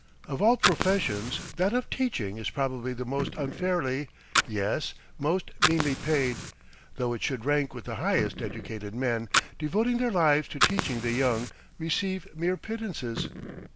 Of all professions, that of teaching is probably the most unfairly, yes, most meanly paid, though it should rank with the highest. Educated men, devoting their lives to teaching the young, receive mere pittances.